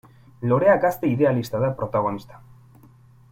Lorea gazte idealista da protagonista.